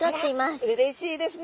あらうれしいですね。